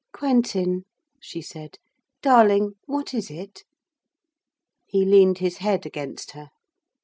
'Quentin,' she said, 'darling, what is it?' He leaned his head against her.